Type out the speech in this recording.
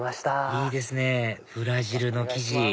いいですねブラジルの生地！